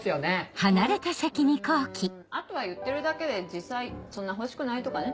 うんあとは言ってるだけで実際そんな欲しくないとかね。